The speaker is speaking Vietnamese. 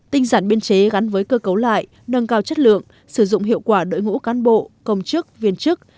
tinh giản biên chế gắn với cơ cấu lại nâng cao chất lượng sử dụng hiệu quả đội ngũ cán bộ công chức viên chức